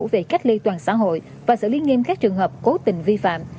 về cách ly toàn xã hội và xử lý nghiêm các trường hợp cố tình vi phạm